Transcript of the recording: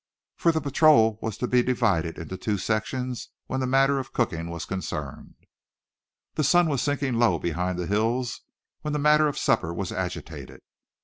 For the patrol was to be divided into two sections, when the matter of cooking was concerned. The sun was sinking low behind the hills when the matter of supper was agitated.